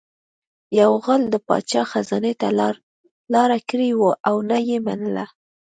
یو غل د پاچا خزانې ته لاره کړې وه او نه یې منله